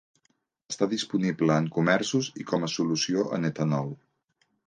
Està disponible en comerços i com a solució en etanol.